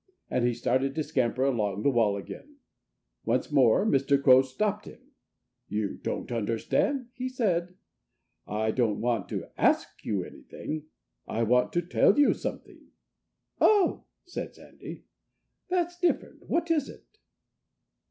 And he started to scamper along the wall again. Once more Mr. Crow stopped him. "You don't understand," he said. "I don't want to ask you anything. I want to tell you something." "Oh!" said Sandy. "That's different. What is it?"